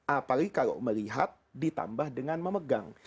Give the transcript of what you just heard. apalagi kalau melihat ditambah dengan memegang